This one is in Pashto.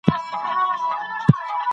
څېړنه د خلګو د پوهي څرګندونه کوي.